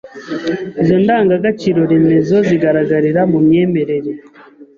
Izo ndangagaciro remezo zigaragarira mu myemerere